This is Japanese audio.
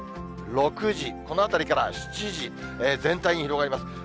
５時、６時、このあたりから７時、全体に広がります。